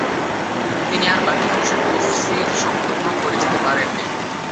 তিনি আর বাকী অংশের তাফসির সম্পন্ন করে যেতে পারেননি ।